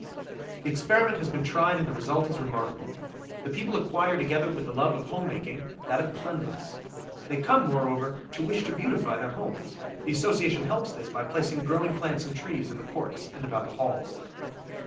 The experiment has been tried and the result is remarkable. The people acquire together with the love of homemaking, that of cleanliness. They come, moreover, to wish to beautify their homes. The Association helps this by placing growing plants and trees in the courts and about the halls.